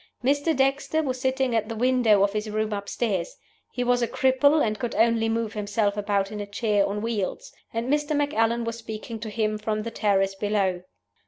Mr. Dexter was sitting at the window of his room upstairs (he was a cripple, and could only move himself about in a chair on wheels), and Mr. Macallan was speaking to him from the terrace below.